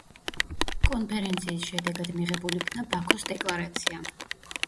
კონფერენციის შედეგად მიღებულ იქნა „ბაქოს დეკლარაცია“.